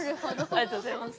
ありがとうございます。